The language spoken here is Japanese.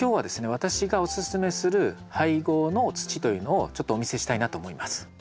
私がおすすめする配合の土というのをちょっとお見せしたいなと思います。